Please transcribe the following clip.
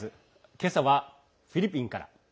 今朝はフィリピンから。